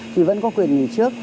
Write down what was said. thì vẫn có quyền nghỉ trước